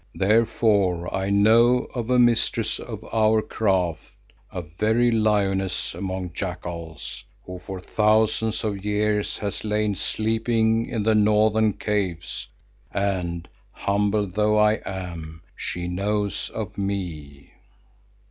Therefore I know of a mistress of our craft, a very lioness among jackals, who for thousands of years has lain sleeping in the northern caves and, humble though I am, she knows of me."